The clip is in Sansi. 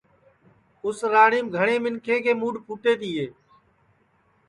اُس راڑیم گھٹؔے منکھیں کے مُڈؔ پُھٹے تیئے